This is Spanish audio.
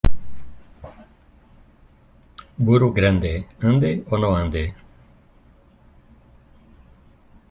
Burro grande, ande o no ande.